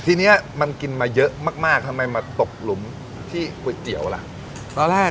ทีนี้มันกินมาเยอะมากทำไมมาตกหลุมที่ก๋วยเตี๋ยวล่ะตอนแรก